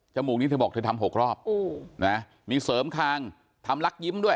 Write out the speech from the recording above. มูกนี้เธอบอกเธอทำ๖รอบมีเสริมคางทำลักยิ้มด้วย